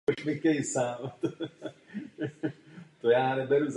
Druhý pískovcový pomník je věnován vojákům Rudé armády.